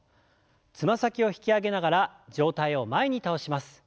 つま先を引き上げながら上体を前に倒します。